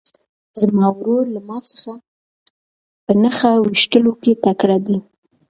زما ورور له ما څخه په نښه ویشتلو کې تکړه دی.